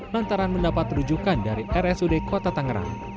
lantaran mendapat rujukan dari rsud kota tangerang